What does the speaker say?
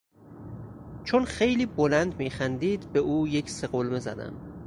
چون خیلی بلند میخندید به او یک سقلمه زدم.